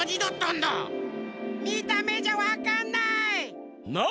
みためじゃわかんない。